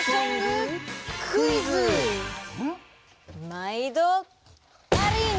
まいどアリーナ！